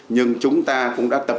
nhưng chúng ta cũng đã tập trung